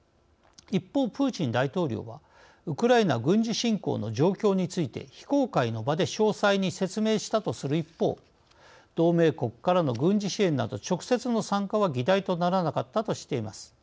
一方、プーチン大統領はウクライナ軍事侵攻の状況について非公開の場で詳細に説明したとする一方同盟国からの軍事支援など直接の参加は議題とならなかったとしています。